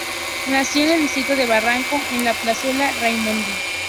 Nació en el Distrito de Barranco, en la Plazuela Raimondi.